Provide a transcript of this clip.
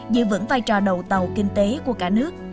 giữ vững vai trò đầu tàu kinh tế của cả nước